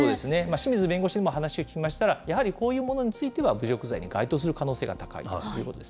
清水弁護士にも話を聞きましたら、やはりこういうものについては侮辱罪に該当する可能性が高いということです。